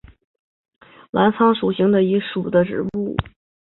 澜沧羌活是伞形科羌活属的植物。